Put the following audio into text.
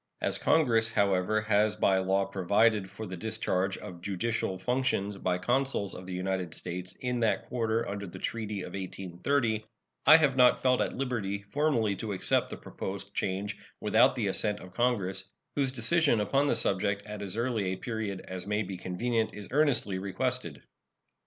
As Congress, however, has by law provided for the discharge of judicial functions by consuls of the United States in that quarter under the treaty of 1830, I have not felt at liberty formally to accept the proposed change without the assent of Congress, whose decision upon the subject at as early a period as may be convenient is earnestly requested.